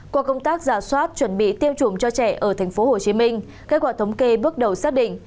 qua công tác giả soát chuẩn bị tiêm chủng cho trẻ ở tp hcm kết quả thống kê bước đầu xác định